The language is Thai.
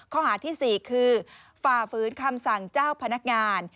ข้อหาที่๔คือฝ่าฝืนคำสั่งเจ้าพนักงาน